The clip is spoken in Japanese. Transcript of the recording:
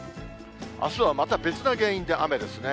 あすはまた別な原因で雨ですね。